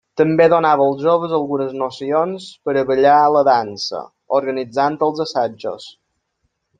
També donava als joves algunes nocions per a ballar la dansa, organitzant els assajos.